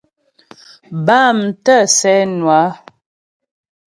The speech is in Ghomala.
Bâm tə̂ sɛ́ nwə á.